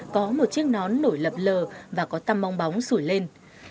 có một chiếc nón nổi lập lờ và có tăm mong bóng sủi lên